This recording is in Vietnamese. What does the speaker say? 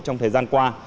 trong thời gian qua